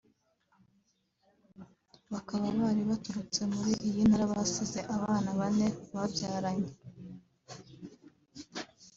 bakaba bari baturutse muri iyi Ntara basize abana bane babyaranye